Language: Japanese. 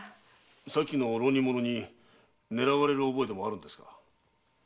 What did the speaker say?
さっきの浪人者に狙われる覚えでもあるんですか？